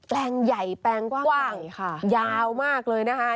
แปลงใหญ่แปลงกว้างยาวมากเลยนะคะ